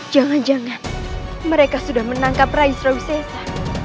jangan jangan mereka sudah menangkap rai surawisesa